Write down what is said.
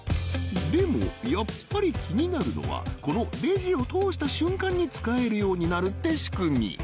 でもやっぱり気になるのはこのレジを通した瞬間に使えるようになるって仕組み